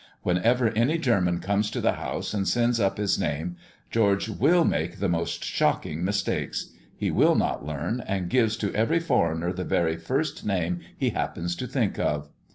Whenever any German comes to the house and sends up his name, George will make the most shocking mistakes. He will not learn, and gives to every foreigner the very first name he happens to think of."